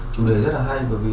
chủ đề rất hay bởi vì